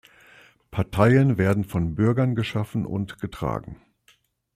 Parteien werden von Bürgern geschaffen und getragen.